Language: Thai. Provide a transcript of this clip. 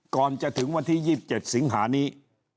ก่อนจะถึงวันที่๒๗สิงหานี้